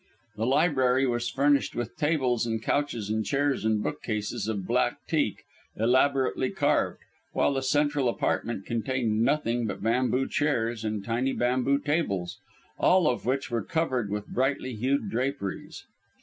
The library was furnished with tables and couches and chairs and bookcases of black teak, elaborately carved, while the central apartment contained nothing but bamboo chairs and tiny bamboo tables, all of which were covered with brightly hued draperies.